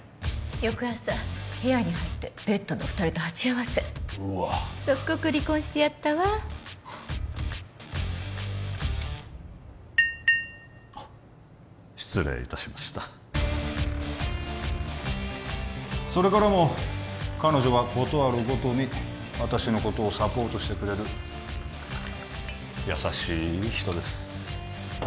翌朝部屋に入ってベッドの二人と鉢合わせうわっ即刻離婚してやったわ失礼いたしましたそれからも彼女はことあるごとに私のことをサポートしてくれる優しい人です